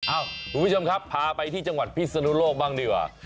คุณผู้ชมครับพาไปที่จังหวัดพิศนุโลกบ้างดีกว่า